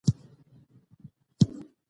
زه خوست بازور ته څم.